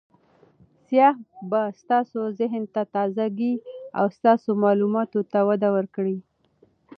سیاحت به ستاسو ذهن ته تازه ګي او ستاسو معلوماتو ته وده ورکړي.